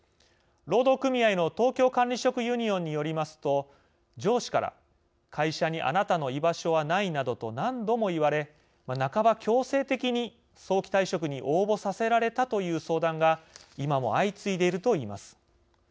労働組合の東京管理職ユニオンによりますと上司から会社にあなたの居場所はないなどと何度も言われ半ば強制的に早期退職に応募させられたという相談が今も相次いでいるといいます。